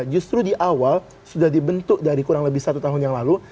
justru di awal sudah dibentuk dari kurang lebih satu tahun yang lalu